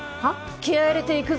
気合入れていくぞ。